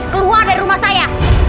keluar dari rumah saya